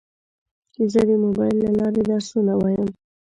زه د موبایل له لارې درسونه وایم.